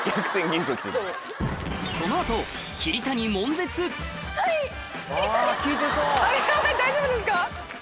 この後大丈夫ですか？